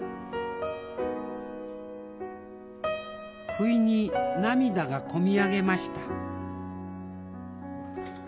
不意に涙が込み上げました